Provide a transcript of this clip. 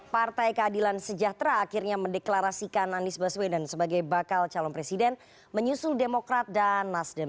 partai keadilan sejahtera akhirnya mendeklarasikan anies baswedan sebagai bakal calon presiden menyusul demokrat dan nasdem